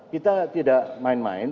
kita tidak main main